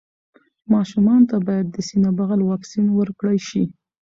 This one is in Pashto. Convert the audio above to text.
ماشومانو ته باید د سینه بغل واکسين ورکړل شي.